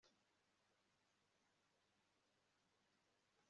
ingingo ya mbere ibigenerwa abagize komite